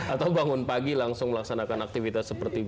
atau bangun pagi langsung melaksanakan aktivitas seperti ini